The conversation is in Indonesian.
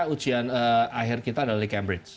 ujian akhir kita adalah di cambridge